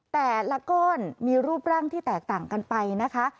แต่ละก้อนมีรูปร่างที่แตกต่างกันไปนะคะ